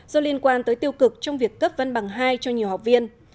do liên quan tới tiêu cực trong việc cấp văn bằng hai cho nhiều học viên